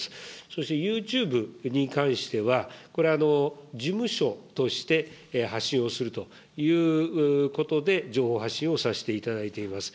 そしてユーチューブに関しては、これは、事務所として発信をするということで情報発信をさせていただいています。